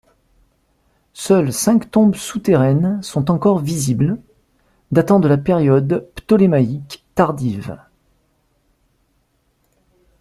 Seules cinq tombes souterraines sont encore visibles, datant de la période ptolémaïque tardive.